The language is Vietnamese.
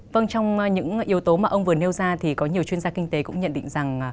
vâng trong những yếu tố mà ông vừa nêu ra thì có nhiều chuyên gia kinh tế cũng nhận định rằng